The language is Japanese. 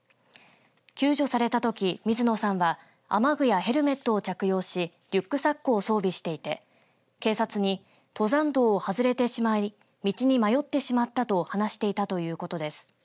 救助されたとき、水野さんは雨具やヘルメットを着用しリュックサックを装備していて警察に登山道を外れてしまい道に迷ってしまったと話していたということです。